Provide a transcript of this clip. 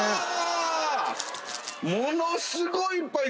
ものすごいいっぱい。